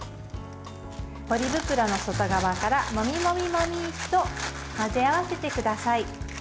ポリ袋の外側からもみもみもみと混ぜ合わせてください。